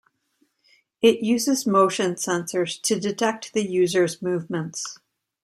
It uses motion sensors to detect the user's movements.